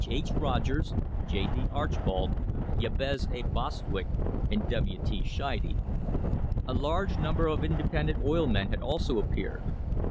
H. Rogers, J. D. Archbold, Jabez A. Bostwick and W. T. Sheide. A large number of independent oil men had also appeared.